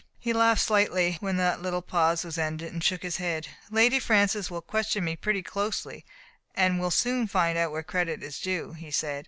He laughed slightly when that little pause was ended, and shook his head. "Lady Francis will question me pretty closely, and will soon find out where credit is due," he said.